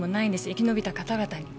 生き延びた方々に。